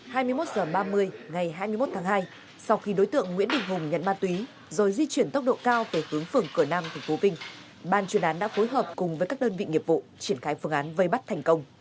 hai mươi một h ba mươi ngày hai mươi một tháng hai sau khi đối tượng nguyễn đình hùng nhận ma túy rồi di chuyển tốc độ cao về hướng phường cửa nam tp vinh ban chuyên án đã phối hợp cùng với các đơn vị nghiệp vụ triển khai phương án vây bắt thành công